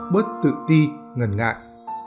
bớt tự ti ngần ngại